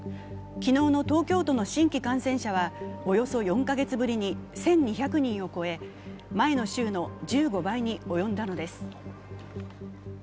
昨日の東京都の新規感染者はおよそ４カ月ぶりに１２００人を超え前の週の１５倍に及んだのです。